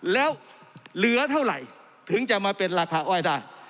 แล้วเหลือเท่าไหร่ถึงจะมาเป็นราคาอ้อยได้